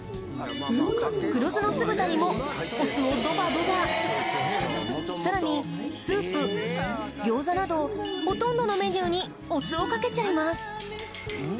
黒酢の酢豚にもお酢をドバドバさらにスープ・餃子などほとんどのメニューにお酢をかけちゃいます